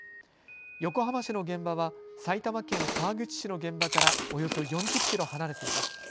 横浜市の現場は埼玉県川口市の現場からおよそ４０キロ離れています。